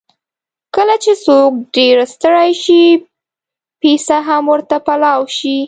کله چې څوک ډېر ستړی شي، پېڅه هم ورته پلاو شي.